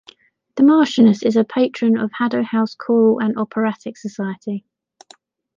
The Marchioness is a patron of Haddo House Choral and Operatic Society.